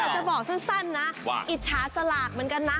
จะบอกสั้นนะว่าอิจฉาสลากเหมือนกันนะ